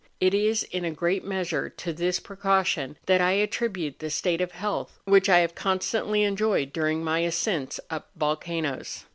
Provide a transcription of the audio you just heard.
It is, in a great measure, to this pre¬ caution that I attribute the state of health which I liave constantly enjoyed during my ascents up vol¬ canoes.